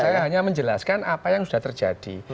saya hanya menjelaskan apa yang sudah terjadi